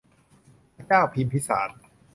พระเจ้าพิมพิสาร